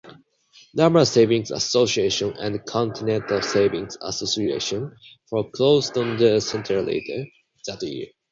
Lamar Savings Association and Continental Savings Association foreclosed on the center later that year.